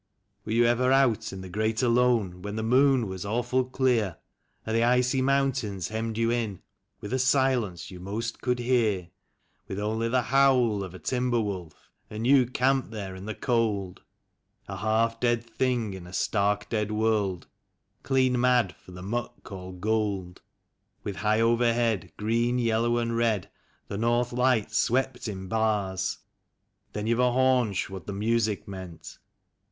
Were you ever out in the Great Alone, when the moon was awful clear, And the icy mountains hemmed you in with a silence you most could hear; With only the howl of a timber wolf, and you camped there in the cold, A half dead thing in a stark, dead world, clean mad for the muck called gold; While high overhead, green, yellow and red, the North Lights swept in bars — Then you've a haunch what the music meant